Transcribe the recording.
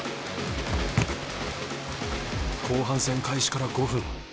後半戦開始から５分。